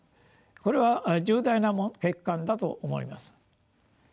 これは重大な欠陥だと思います。